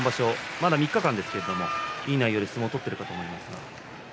まだ３日間ですがいい内容で相撲を取っていませんか？